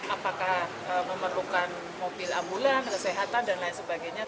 apakah memerlukan mobil ambulan kesehatan dan lain sebagainya